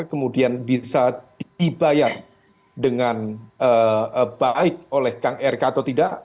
kemudian bisa dibayar dengan baik oleh kang rk atau tidak